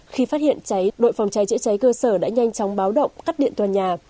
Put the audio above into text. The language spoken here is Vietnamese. khi phát hiện cháy đội phòng cháy chữa cháy cơ sở đã nhanh chóng báo động cắt điện toàn nhà